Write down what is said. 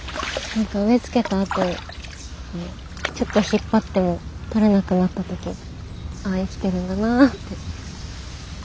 何か植え付けたあとちょっと引っ張っても取れなくなった時あ生きてるんだなって。